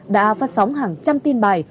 đã phát sóng hàng trăm tin bài